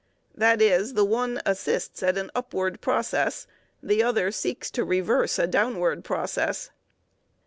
That is, the one assists at an upward process, the other seeks to reverse a downward process.